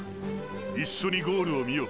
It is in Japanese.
一緒にゴールを見よう！！